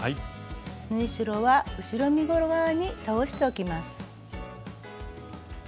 縫い代は後ろ身ごろ側に倒しておきます。